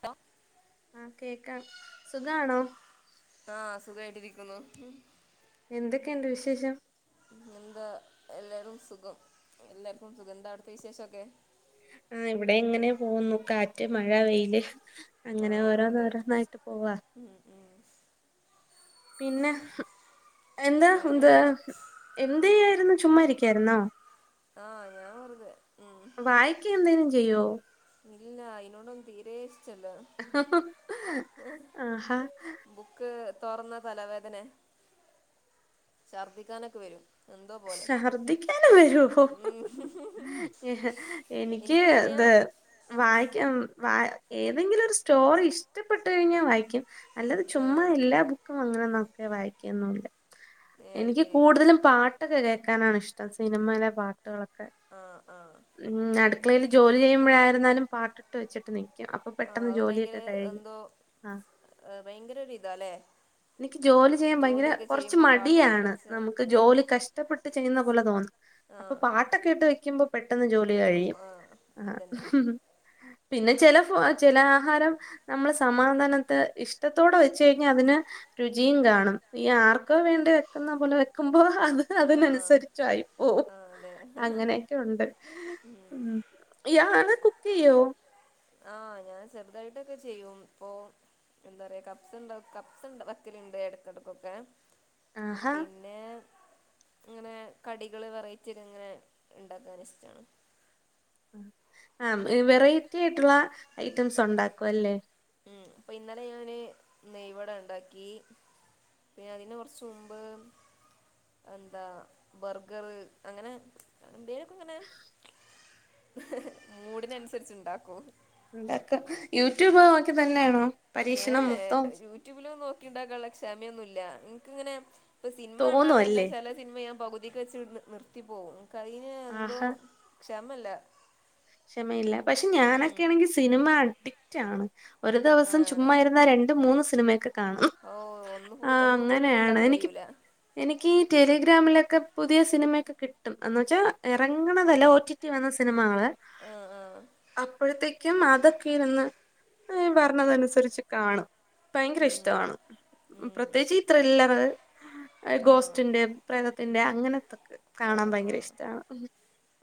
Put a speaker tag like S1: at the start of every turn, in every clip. S1: ട്ടോ
S2: ആ കേക്ക സുഖണോ
S1: ആ സുഖമായിട്ടിരിക്കുന്നു
S2: എന്തൊക്കെയുണ്ട് വിശേഷം
S1: എന്താ എല്ലാരും സുഖം എല്ലാർക്കും സുഖം എന്താ അടുത്തെ വിശേഷൊക്കെ
S2: ആ ഇവിടെ എങ്ങനെ പോന്നു കാറ്റ് മഴ വെയില് അങ്ങനെ
S1: ആഹ്
S2: ഓരോ
S1: അതെ
S2: നേരോന്നായിട്ട് പോവാ
S1: ഉം ഉം
S2: പിന്നെ എന്താ
S1: എങ്ങനെ
S2: എന്താ എന്തെയ എന്നും ചുമ്മാരിക്കായിരുന്നാ
S1: ആ ഞാൻ വെറുതെ ഉം
S2: അയ്യയ്യോ
S1: ഇല്ല അയ്നൊന്നും തീരേഷ്
S2: അഹ്‌ഹ് ഹ് ഹ് ആഹാ ഹ്
S1: തൊറന്ന തലവേദനേ ശർദിക്കാനൊക്കെ വരും എന്തോ പോലെ
S2: ശർദിക്കാന് വരോ ഹോ ഹ് ഹ് ഹ്ഇഹ് എനിക്ക്
S1: എനിക്കിപ്പോ
S2: ത്
S1: ഞാൻ
S2: എ വായിക്കാ വാ ഏതെങ്കിലൊരു സ്റ്റോറി ഇഷ്ടപ്പെട്ട് കഴിഞ്ഞാ വായിക്കും അല്ലാത് ചുമ്മാ
S1: ആഹ്
S2: എല്ലാ ബുക്കും അങ്ങനെന്നൊക്കെ വായിക്കെന്നുല്ല
S1: ഏഹ് അത്
S2: എനിക്ക്
S1: ശരി
S2: കൂടുതലും പാ കേക്കാനാണിഷ്ടം സിനിമെലെ പാട്ട് കളൊക്കെ
S1: ആഹ് ആഹ്
S2: ഉം അടുളക്കളേല് ജോലി ചെയ്യുമ്പഴായിരുന്നാലും പാട്ടിട്ട് വച്ചിട്ട് നി അപ്പൊ
S1: ആഹ്
S2: പെട്ടെന്ന്
S1: അത് ഭയങ്കര
S2: ജോലിയൊക്കെ കഴിഞ്ഞ്
S1: എന്തോ
S2: ആ
S1: ഭയങ്കര ഒരു ഇതാല്ലേ
S2: എനിക്ക് ജോലി ചെയ്യാൻ ഭയങ്കര
S1: ജോലിയൊക്കെ
S2: കൊറച്ച്
S1: ചെയ്യുമ്പോ പാട്ടൊക്കെ ഇട്ട്
S2: മടിയാണ്
S1: വെച്ച
S2: നമുക്ക് ജോലി കഷ്ടപ്പെട്ട് ചെയ്യുന്ന പോലെ തോന്നും അപ്പൊ
S1: ആഹ്
S2: പാട്ടൊക്കെ ഇട്ട് വെയ്ക്കുമ്പോ പെട്ടെന്ന് ജോലി
S1: ഒരു
S2: കഴിയും
S1: ആഹ്
S2: ആ
S1: അതന്നെ
S2: പിന്നെ ചെല ഫോ ചെല ആഹാരം നമ്മള് സമാധാനത്തെ ഇഷ്ടത്തോടെ വെച്ച് കഴിഞ്ഞാ അതിന് രുചിയും കാണും ഈ ആർക്കോ വേണ്ടി വെക്കുന്ന പോലെ വെക്കുമ്പോ അത്
S1: ആഹ്
S2: അതിനനുസരിച്ചായി പോവും
S1: ആഹ് അതെ
S2: അങ്ങനേക്കെ ഒണ്ട് ഉം ഇയാള് കുക്കെയ്യോ
S1: ആ ഞാൻ ചെറുതായിട്ടൊക്കെ ചെയ്യും ഇപ്പൊ എന്താ പറയാ കപ്പ്സ് ഉണ്ടാ കപ്സുണ്ടാ വെക്കലിണ്ട് എടക്കിടക്കൊക്കെ
S2: ആഹാ
S1: അങ്ങനെ കടികള് വെറൈറ്റിയൊക്കെ ഇങ്ങനെ ഉണ്ടാക്കാൻ ഇഷ്ടാണ്
S2: ഉം വെറൈറ്റി ആയിട്ടുള്ള ഐറ്റംസ് ഒണ്ടാക്കുമല്ലേ
S1: ഉം അപ്പൊ ഇന്നലെ ഞാന് നെയ് വട ഉണ്ടാക്കി പിന്നെ അതിന് കൊറച്ച് മുമ്പ് എന്താ ബർഗറ് അങ്ങനെ എന്തേലും അങ്ങനെ മൂഡിനനുസരിച്ച് ഉണ്ടാക്കും
S2: ഉണ്ടാക്ക യൂട്യൂബ് നോക്കി തന്നയാണോ
S1: ഏ യൂട്യൂബില് നോക്കി ഉണ്ടാക്കാനുള്ളക്ഷമയൊന്നുല്ല എനിക്കിങ്ങനെ ഇപ്പ സിനിമ കണ്ടാ തന്നെ
S2: തോന്നുവല്ലേ
S1: ചെല സിനിമ ഞാൻ പകുതിക്ക് വെച്ച് നി നിർത്തിപ്പോവും കഴിഞ്ഞ് എന്തോ
S2: ആഹാ
S1: ക്ഷമയില്ല
S2: ക്ഷമയില്ല പക്ഷെ ഞാനൊക്കെ ആണെങ്കി സിനിമ അഡിക്റ്റ് ആണ് ഒരു
S1: ആ
S2: ദിവസം ചുമ്മാ ഇരുന്ന രണ്ടും മൂന്നും സിനിമയൊക്കെ കാ ണും
S1: ഓ ഒന്ന്
S2: ആ
S1: ഒന്നു പോലും
S2: അങ്ങനെയാണ്
S1: ഫുള്ളാക്കാൻ
S2: എനിക്ക്
S1: കഴിയൂല
S2: എനിക്ക് ടെലിഗ്രാമിലൊക്കെ പുതിയ സിനിമേക്കെ കിട്ടും എന്ന് വെച്ച ഇറങ്ങണതല്ല ഒ ടി ടി വന്ന സിനിമകൾ
S1: ആ ആ
S2: അപ്പഴത്തേക്കും അതൊക്കെ ഇരുന്ന് ഏ വരണതനുസരിച്ച് കാണും ഭയങ്കര ഇഷ്ട
S1: ഉം
S2: ആണ്
S1: ഉം
S2: പ്രത്യേകിച്ച് ഈ ത്രില്ലറ്
S1: ആ
S2: ഗോസ്റ്റിന്റെ പ്രേതത്തിന്റെ അ ങ്ങനത്തൊക്കെ
S1: ആ
S2: കാണാൻ
S1: ആ
S2: ഭയങ്കര ഇഷ്ടാണ്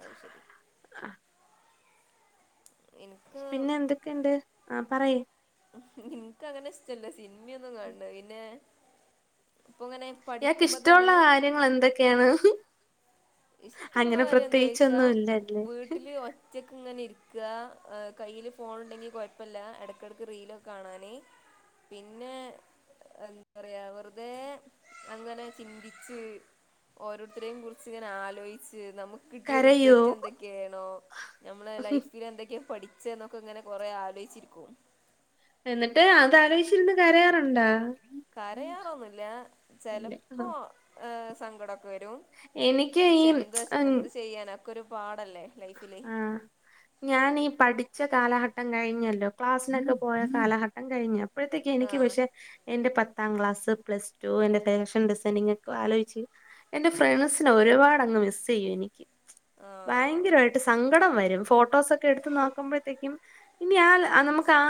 S1: അത് ശരി
S2: ആ
S1: എനിക്ക്
S2: പിന്നെ എന്തൊക്കെയുണ്ട് ആ പറയ്
S1: എനിക്ക് അങ്ങനെ ഇഷ്ടല്ലാ സിനിമയൊന്നും കാണണത് പിന്നെ ഇപ്പ ഇങ്ങനെ
S2: ഇയാക്ക്
S1: പഠിക്കുമ്പോ തന്നെ
S2: ഇഷ്ടൊള്ള കാര്യങ്ങൾ എന്തൊക്കെയാണ്
S1: ഇഷ്ടൊള്ള
S2: അങ്ങനെ
S1: കാര്യം എന്തോയ്ച്ചാ
S2: പ്രത്യേകിച്ചൊന്നും ഇല്ലല്ലേ
S1: വീട്ടില് ഒറ്റക്ക് ഇങ്ങനെ ഇരി ക്ക ആ കയ്യിയില് ഫോണുണ്ടെങ്കി കുഴപ്പല്ല ഇടക്കിടക്ക് റീലൊകാണാന് പിന്നെ എന്താ പറയാ വെറുതെ അങ്ങനെ ചിന്തിച്ച് ഓരോരുത്തരെയും കുറിച്ച് ഇങ്ങനെ ആലോചിച്ച് നമുക്ക് കിട്ടിയ
S2: കരയോ
S1: റിഗ്രറ്റ് എന്തൊക്കെയാണോ നമ്മളെ ലൈഫിൽ എന്തൊക്കെയാ പഠി ച്ചേ എന്നൊക്കെ ഇങ്ങനെ കൊറെ അലോയിച്ചിരിക്കും
S2: എന്നിട്ട് അത് അലോയിച്ചിരുന്നു കരയാറുണ്ടാ
S1: കരയാറൊന്നുമില്ല
S2: ഇല്ല
S1: ചെലപ്പോ ഏ സങ്കടൊ ക്ക വരും
S2: എനിക്ക് ഈ
S1: പക്ഷെ എന്ത എന്ത് ചെയ്യാന അതക്കൊരു പാഠ
S2: ആഹ് ഞാനീ പഠി ച്ച കാലഘട്ടം കഴിഞ്ഞല്ലോ ക്ലാസ്സിനൊക്ക പോയ കാലഘട്ടം കഴിഞ്ഞ് അപ്പഴത്തേക്ക് എനിക്ക്
S1: ആഹ്
S2: പക്ഷെ എന്റെ പ പത്താം ക്ലാസ് പ്ലസ് ടു എന്റെ ഫാഷൻ ഡിസൈനിങ് ഒക്കെ ആലോചിച്ച് എന്റെ ഫ്രണ്ട്സിന് ഒരുപാട് അങ്ങ് മിസ്സെയ്യും എനിക്ക് ഭയ
S1: ആഹ്
S2: സങ്കടം വരും ഫോട്ടോസൊക്കെ എടുത്തു നോക്കുമ്പോഴത്തേക്കും ഇനി ആ ലെ ആ നമ്മക്ക് ആ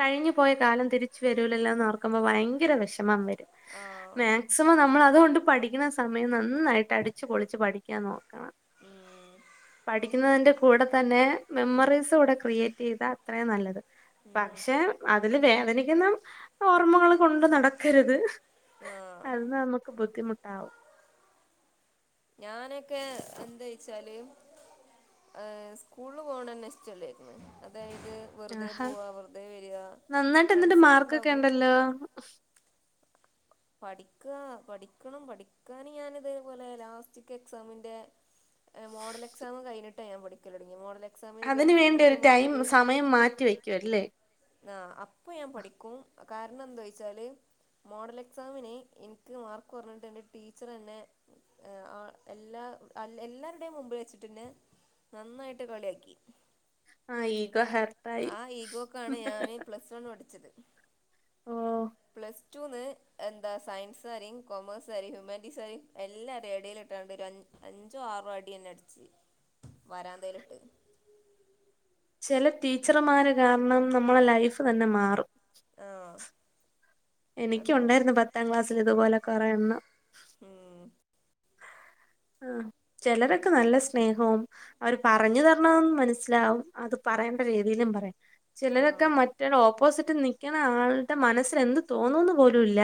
S2: കഴിഞ്ഞു പോയത് കാലം തിരിച് വരൂല്ലല്ലോന്നോർക്കുമ്പോ ഭയങ്കര വിഷമം വരും
S1: ആഹ്
S2: മാക്സിമം നമ്മളതുകൊണ്ട് പഠിക്കുന്ന സമയം നന്നായിട്ട് അടിച്ചു പൊളിച്ച് പഠിക്കാൻ നോക്കണം
S1: ഉം
S2: പഠിക്കുന്നതിൻ്റെ കൂടെ തന്നെ മെമ്മറീസ് കൂടെ ക്രിയേറ്റ് ചെയ്ത അത്രയും നല്ലത്
S1: ഉം
S2: പക്ഷെ അതില് വേദനിക്കുന്ന ഓർമ്മകള് കൊണ്ട് നടക്കരുത്
S1: ആഹ്
S2: അത് നമുക്ക് ബുദ്ധിമുട്ടാവും
S1: ഞാനൊക്കെ എന്താ വെച്ചാല് ഏഹ് സ്കൂള്ല് പോണന്നെ ഇഷ്ട്ടല്ലെർന്നു അത്
S2: ആഹാ നന്നായിട്ട് എന്നിട്ട്
S1: ഫ്രണ്ട്സൊക്കെ
S2: മാർക്കൊക്കെ
S1: ഉണ്ടാകും
S2: ഉണ്ടല്ലോ
S1: പഠിക്ക, പഠിക്കണം പഠിക്കാന് ഞാനിതേപോലെ ലാസ്റ്റ്ക്ക് എക്സാമിന്റെ ഏഹ് മോഡൽ എക്സാം കഴിഞ്ഞട്ട ഞാൻ പഠിക്കലൊടങ്ങിയെ മോഡലേ
S2: അതിന് വേണ്ടി ഒരു ടൈം സമയം മാറ്റിവെക്കുവല്ലേ
S1: ആ അപ്പൊ ഞാൻ പഠിക്കും കാരണം എന്തോയിച്ചാല് മോഡൽ എക്സാമിനെ ഇന്ക് മാർക്ക് കൊറഞ്ഞിട്ട് ഇന്റെ ടീച്ചറിന്നെ ആ എല്ലാ ആ അല്ല എല്ലാവരുടെയും മുമ്പി വെച്ചിട്ടിന്നെ നന്നായിട്ട് കളിയാക്കി
S2: ഹർട്ടായി
S1: ആ ഈഗോക്കാണ് ഞാന് പ്ലസ് വൺ
S2: ഓ
S1: പ്ലസ്ടുന്ന് എന്താ സയൻസ്കാരേം കോമേഴ്സ്കാരേം ഹ്യൂമാനിറ്റീസ് കാരേം എല്ലാർടേം എടെലിട്ട്കാണ്ട് അഞ്ചോ ആറോ അടി തന്നെ അടിച്ച് വരാന്തെലിട്ട്
S2: ചില ടീച്ചര്മാര് കാരണം നമ്മളെ ലൈഫ് തന്നെ മാറും
S1: ആഹ് അതെ
S2: എനിക്കുണ്ടായിരുന്നു പത്താം ക്ലാസ്സില് ഇതുപോലെ കൊറേയെണ്ണം
S1: ഉം
S2: [inaudible] ആ ചിലരൊക്കെ നല്ല സ്നേഹവും അവര് പറഞ്ഞു തരണത് മനസ്സിലാവും അത് പറയാ വേണ്ട രീതിയിലും പറയാം
S1: ആഹ്
S2: ചിലരൊക്കെ
S1: അതെ
S2: മാറ്റാളു ഓപ്പോസിറ്റിൽ നിക്കുന്ന ആളുടെ മനസ്സിൽ എന്ത് തോന്നുന്ന് പോലുല്ല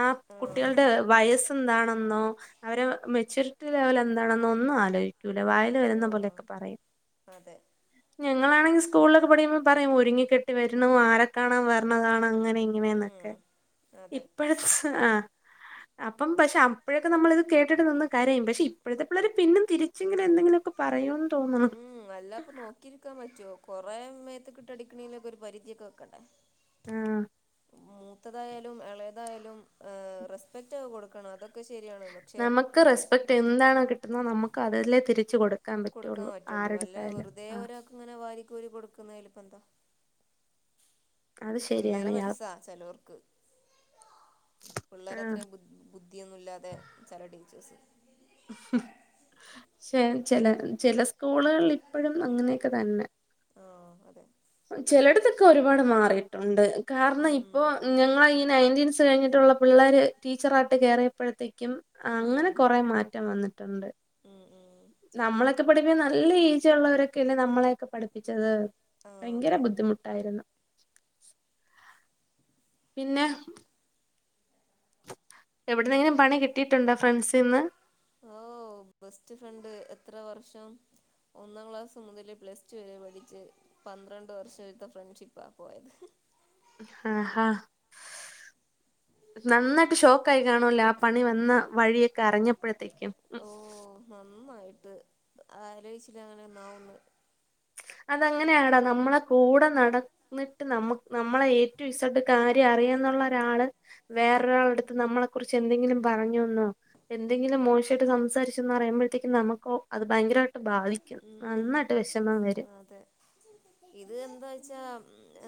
S2: ആ
S1: ആഹ്
S2: കുട്ടികളുടെ വയസ്സേന്താണെന്നോ അവരെ മെച്യൂരിറ്റി ലെവൽ എന്താണെന്നോ ഒന്നും ആലോചിക്കില്ല വായില് വരുന്ന
S1: ആഹ്
S2: പോലെക്കെ പറയും
S1: അതെ
S2: ഞങ്ങളാണെങ്കിൽ സ്കൂളിലൊക്കെ പഠിക്കുമ്പോൾ പറയുംംഒരുങ്ങിക്കെട്ടി വരണു ആരെ കാണൻ വരണതാണ് അങ്ങനെ
S1: ഉം
S2: ഇങ്ങനെന്നൊക്കെ
S1: അതെ
S2: ഇപ്പോഴത്തെ ആ അപ്പം പക്ഷെ അപ്പോഴൊക്കെ നമ്മൾ ഇത് കേട്ടിട്ട് നിന്ന് കരയും പക്ഷെ ഇപ്പോഴത്തെ പിള്ളേർ പിന്നും തിരിച്ചിങ്ങനെ എന്തെങ്കിലൊക്കെ പറയോ
S1: ഉം അല്ലാപ്പൊ നോക്കി വക്കാൻ പറ്റോ കൊറേ മേത്തക്കിട്ട് അടിക്കണെലൊക്കെ ഒരു പരിധിയൊക്കെ വെക്കണ്ടേ
S2: ആഹ്
S1: മൂത്തതായാലും ഇളയതായാലും ആഹ് റെസ്പെക്റ്റ് കൊടുക്കണം അതൊക്കെ ശരിയാണ് പക്ഷെ
S2: നമ്മക്ക് റെസ്പെക്റ്റ് എന്തണോ കിട്ടുന്ന നമുക്ക് അതല്ലേ തിരിച്ചു കൊടുക്ക
S1: കൊടുക്കാൻ പറ്റുള്ളൂ അല്ല വെറുതെ ഒരാക്ക് ഇങ്ങനെ വാരിക്കോരി കൊടുക്കുന്നയില് ഇപ്പ എന്താ
S2: അത്
S1: പിള്ളേരെ
S2: ശരിയാണ് ഇയാൾ
S1: മനസ്സാ ചേലോർക്ക് പിള്ളേരെ
S2: ആഹ്
S1: അത്രയും ബു ബുദ്ധിയൊന്നുല്ലാതെ ചില ടീച്ചേഴ്സ്
S2: ഹ് ഹ് ക്ഷേ ചെല ചെല സ്കൂൾകളിലിപ്പഴും അങ്ങനെയൊക്കെ തന്നെ.
S1: ആഹ് അതെ
S2: ചെലടത്തൊക്കെ ഒരുപാട് മാറിയിട്ടൊണ്ട് കാരണം
S1: ഉം
S2: ഇപ്പോ ഞങ്ങളെ നയൻറ്റീൻസ് കഴിഞ്ഞിട്ടൊള്ള പിള്ളേർ ടീച്ചറായിട്ട് കേയറിയപ്പോഴത്തേക്കും
S1: ഉം
S2: അങ്ങനെ കൊറെേ മാറ്റം വന്നേ ട്ടണ്ട്.
S1: ഉം ഉം
S2: നമ്മളൊക്കെ പഠിപ്പിക്ക നല്ല ഏജൊള്ളവരൊക്കെയല്ലേ നമ്മളെയൊക്കെ പഠ്പ്പിച്ചത്.
S1: ആഹ്
S2: ഭയങ്കര
S1: അതെ
S2: ബുദ്ധിമുട്ടായിര്ന്ന്. പിന്നെ.
S1: പിന്നെ
S2: എവിടുന്നെങ്കിലും പണി കിട്ടിയിട്ടുണ്ടോ ഫ്രണ്ട്സിന്ന്
S1: ഓ ബെസ്റ്റ് ഫ്രണ്ട് ത്ര വർഷം ഒന്നാം ക്ലാസ് മുതല് പ്ലസ് ടു വരെ പഠിച്ച്, പന്ത്രണ്ട് വർഷം എടുത്ത ഫ്രണ്ട്ഷിപ്പാ പോയത്.
S2: ഹ ഹ. നന്നായിട്ട് ഷോക്കായി കാണുവല്ലേ ആ പണി വന്ന വഴിയൊക്കെ അറിഞ്ഞപ്പോഴത്തേ ഉം.
S1: ആലോയിച്ചില്ല അങ്ങനൊന്നാവുന്ന്.
S2: അതങ്ങനെയാടാ നമ്മളെ കൂടെ നടന്നിട്ട് നമ്മ നമ്മളെ ഏ റ്റു ഇസെട് കാര്യറി ന്നുള്ള ഒരാള് വേറൊരാളടുത്ത് നമ്മളെ കുറിച്ച് എന്തെങ്കിലും പറഞ്ഞോന്നോ എന്തെങ്കിലും [inaudible] സംസാരിച്ചീന്നറിയുമ്പോഴത്തേക്കും നമുക്ക അത് ഭയങ്കരമായിട്ട് ബാധിക്കും,
S1: ഉം
S2: നന്നായിട്ട് വെഷമം വരും.
S1: അതെ ഇത് എന്താ വെച്ചാ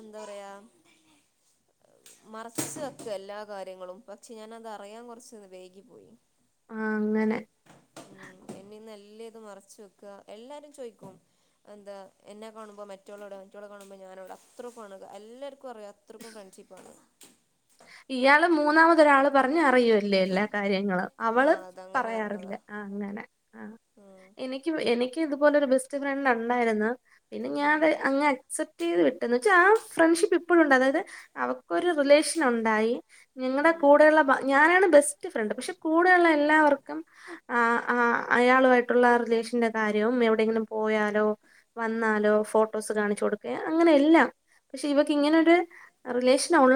S1: എന്താറയാ മറച്ച് വെക്ക്വ എല്ലാ കാര്യങ്ങളും, പക്ഷെ ഞാനതറിയാൻ കൊറച്ച് വെയ്കി പോയി.
S2: ആ അങ്ങനെ.
S1: നല്ല ഇത് മറച്ച് വെക്കുക എല്ലാരും ചോയിക്കും എന്താ എന്നെ കാണുമ്പോ മറ്റോളെവിടെ മറ്റോളെ കാണുമ്പോ ഞാനെവിടെ അത്രക്കു ആണ് എല്ലാർ [inaudible] അത്രക്കും ഫ്രണ്ട്ഷിപ്പാണ്.
S2: ഇയാള് മൂന്നാമതൊരാള് പറഞ്ഞ റയൂവല്ലേ എല്ലാ കാര്യങ്ങളും അവള്
S1: ആഹ് അതങ്ങനെ
S2: പറയാറില്ല
S1: പറഞ്ഞതാ
S2: ആ അങ്ങനെ ആ.
S1: ഉം
S2: എനിക്ക് എനിക്ക് ഇതുപോലെ ഒര് ബെസ്റ്റ് ഫ്രണ്ട് ഒണ്ടായിര്ന്ന് പിന്നെ ഞാത് അങ്ങ് അക്സപ് ചെയ്ത് വിട്ടു ന്നുച്ചാ ആ ഫ്രണ്ട്ഷിപ്പ് ഇപ്പോഴുണ്ട്, അതായത് അവക്കൊരു റിലേഷൻ ഒണ്ടായി
S1: ഉം
S2: ഞങ്ങടെ
S1: ഉം
S2: കൂടെയൊള്ള ഞാനാണ് ബെസ്റ്റ് ഫ്രണ്ട് പക്ഷെ കൂടെയൊള്ള എല്ലാവർക്കും ആ ആ അയാളുവായിട്ടൊള്ള റിലേഷന്റെ കാര്യം എവിടെയെങ്കിലും പോയാലോ വന്നാലോ ഫോട്ടോസ് കാണിച്ചു കൊടുക അങ്ങനെയല്ലാം പക്ഷെ ഇവക്ക്
S1: ഉം
S2: ഇങ്ങനൊര് റിലേഷനൊള്ള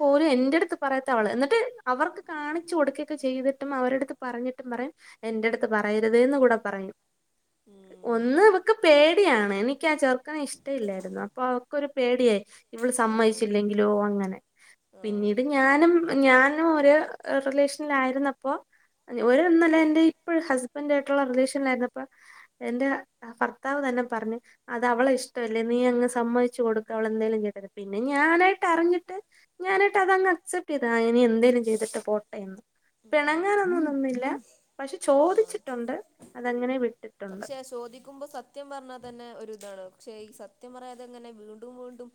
S2: പോലും എന്റടുത്ത് പറയാത്ത അവള് ന്നിട്ട് അവർക്ക് കാണിച്ച് കൊടുക്കൊക്കെ ചെയ്തിട്ടും അവരടുത്ത് പറഞ്ഞി പറയും എൻ്റടുത്ത് പറയരുതേന്ന് കൂടെ പറയും
S1: ഉം
S2: ഒന്ന് ഇവക്ക് പേ ടിയാണ് എനിക്കാ ചെർക്കനെ ഇഷ്ടവില്ലായിര്ന്ന് അപ്പോ അവക്കൊരു പേടിയായി ഇവൾ
S1: ആഹ്
S2: സമ്മതിച്ചില്ലെങ്കി ലോ അങ്ങനെ
S1: ആഹ്
S2: പിന്നീട് ഞാനും ഞാനു ഒര് റിലേഷനിലായിര്ന്നപ്പോ [unintelligible] എന്റെ ഇപ്പഴ ഹസ്ബൻ്റ് ആയിട്ടൊള്ള റിലേഷനിലായിരുന്നപ്പൊ എന്റെ ഫർത്താവ് ന്നെ പറഞ്ഞ് അത് അവളെഷ്ടവല്ലേ നീ അങ്ങ് സമ്മതിച്ചു കൊടുക്ക് അവളെന്തേലും ചെയ്യട്ട പിന്നെ ഞാനായി ട്ടറിഞ്ഞിട്ട് ഞാനിട്ട് അതങ് അക്സെപ്റ്റ് ചെയ്തിനി എന്തേലും ചെയ്തിട്ട് പോട്ടെന്ന്.
S1: ഉം
S2: പിണങ്ങാനൊന്നും നിന്നില്ല പക്ഷെ
S1: ആഹ്
S2: ചോദിച്ചിട്ടൊണ്ട് അതങ്ങനേ വി
S1: പക്ഷെ ചോദിക്കുമ്പോ സത്യം പറഞ്ഞാ തന്നെ ഒരുതാണ് ക്ഷെ ഈ സത്യം പറയാതെങ്ങനെ വീണ്ടും വീണ്ടും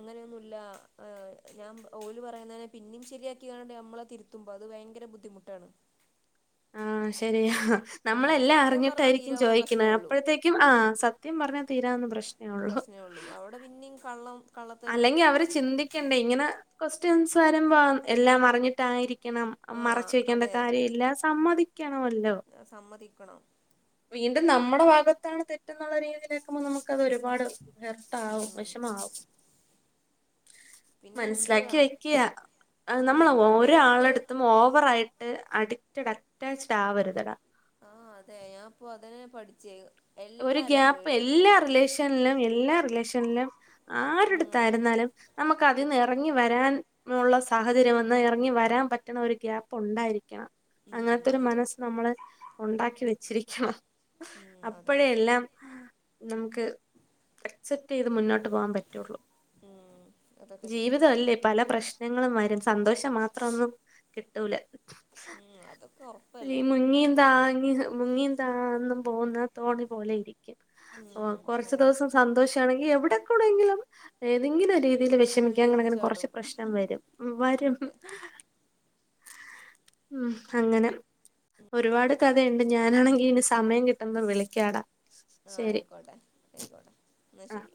S1: അങ്ങന്യൊന്നുല്ലാ ഞാ ഓല് പറയുന്നതിനെ പിന്നും ശരിയാക്കിങ്ങാണ്ട് അമ്മളെ തിരുത്തുമ്പോ അത് ഭയങ്കര ബുദ്ധിമുട്ടാണ്.
S2: ആ ശെരിയാ.
S1: ഉം
S2: നമ്മളെല്ലാം
S1: സത്യം പറഞ്ഞാ
S2: അറിഞ്ഞിട്ടായിരിക്കും
S1: തീരാവുന്ന
S2: ചോദിക്കുന്നെ
S1: പ്രശ്നേ ഉള്ളൂ
S2: അപ്പോഴത്തേക്കും ആ സത്യം പറഞ്ഞാ തീരാവുന്ന പ്രശ്നേ ഒള്ളു
S1: പ്രശ്നേള്ളൂ അവിടെ പിന്നെം കള്ളം കള്ളത്തരും
S2: അല്ലെങ്കി അവര് ചിന്തിക്കണ്ടേ ഇങ്ങനെ ക്വസ്റ്റ്യൻസ് വരുമ്പോ എല്ലാം അറിഞ്ഞിട്ടായിരി ക്കണം
S1: ആഹ്
S2: മറച്ച് വെക്കേണ്ട
S1: അതെ
S2: കാര്യവില്ല, സമ്മതിക്കണമല്ലോ.
S1: ക്കണം.
S2: വീണ്ടും നമ്മുടെ ഭാഗത്താണ് തെറ്റെന്നുള്ള രീതിയിലേക്കുമ്പോൾ നമുക്ക് അത് ഒരുപാട് വർഥ ആാവും
S1: ഉം
S2: വിഷമാവും
S1: പിന്നെ ഇൻക്ക്
S2: മനസിലാക്കി വയ്ക്കയാ
S1: ഉം
S2: നമ്മൾ
S1: പിന്നെ ഇൻക്ക്
S2: ഒരാളെടുത്തും ഓവറ ആായിട്ട് അടി അറ്റ അറ്റാച്ചഡ ആ വരുതടാ
S1: അപ്പൊ അതിനെ പഠിച്ചേ
S2: ഒരു
S1: എല്ലാരേം
S2: ഗ്യാപ്പ്
S1: പേടിയാപ്പൊ
S2: എല്ലാ റിലേഷനിലും എല്ലാ റിലേഷനിലും
S1: ഉം
S2: ആരുടുത്തായിരുന്നാലും നമുക്ക് അതി നേ ഇറങ്ങി വരാൻള്ള സാഹചര്യം വന്ന് ഇറങ്ങി വരാൻ പറ്റണ ഒരു ഗ്യാപ്പ് ഉണ്ടായിരിക്കും
S1: ഉം
S2: അങ്ങനത്തെ ഒരു
S1: അതെ
S2: മനസ്സ് നമ്മള് ഉണ്ടാക്കി വെച്ചിരിക്കണം
S1: ഉം അതെ
S2: അപ്പോഴേ നമുക്ക് അക്സെപ്റ്റ് ചെയ്ത് മുന്നോട്ട് പോകാൻ പറ്റുള്ളു
S1: ഉം അതൊക്കെ ശരിയാ
S2: ജീവിത അല്ലേ പല പ്രശ്നങ്ങളും വരും സന്തോഷം മാത്രം ഒന്നും കിട്ടൂല
S1: ഉം അതൊക്കെ
S2: ഈ
S1: ഒറപ്പല്ലേ
S2: മുങ്ങീന്താങ്ങ മുങ്ങീന്താും പോുന്ന
S1: ഉം
S2: രിക്കറച്ച
S1: അതെ
S2: ദിവസം സന്തോഷണെങ്കിൽ എവിടെങ്കിലും നിങ്ങനെ രീതിയിൽ
S1: എന്തേ വള്ളി ഒന്ന്
S2: വിഷമിക്കാങ്ങങ്ങനെ കൊറച്ച്
S1: ചാടും
S2: പ്രശ്നം
S1: ഉം
S2: വരും വരും [inaudible]
S1: അതെ
S2: ഉം അങ്ങനെ
S1: ഉം
S2: ഒരുപാട്
S1: അതെ
S2: കഥയുണ്ട് ഞാനാണെങ്കി ഇന് സമയം കിട്ടുന്ന വിളി കേടാ
S1: ആ ആയിക്കോട്ടെ ആയിക്കോട്ടെ എന്നാ
S2: ആ
S1: ശരി